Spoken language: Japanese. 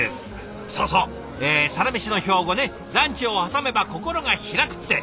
そうそう「サラメシ」の標語ね「ランチを挟めば心が開く」って！